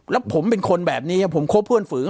แล้วผมเป็นคนแบบนี้ผมคบเพื่อนฝูง